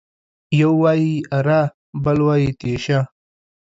يو وايي اره ، بل وايي تېشه.